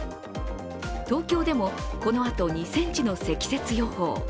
東京でもこのあと、２ｃｍの積雪予報。